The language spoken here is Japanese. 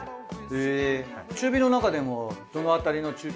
へぇ中火の中でもどの辺りの中火。